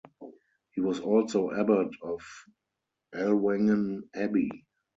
He was also abbot of Ellwangen Abbey.